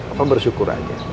apa bersyukur aja